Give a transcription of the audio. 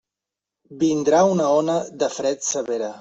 Vindrà una ona de fred severa.